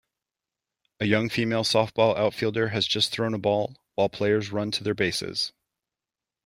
A young female softball outfielder has just thrown a ball, while players run to their bases.